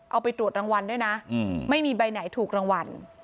เอาไปตรวจรางวัลด้วยนะไม่มีใบไหนถูกรางวัล